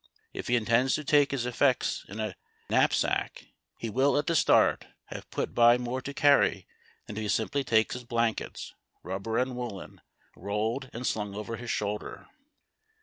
If he intends to take his effects in a knap sack, he will at tlie start have put by more to carry than if he simply takes his blankets (rubber and woollen) rolled and slunsf over his shoulder.